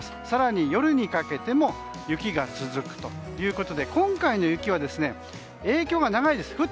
更に夜にかけても雪が続くということで今回の雪は、影響が長いです。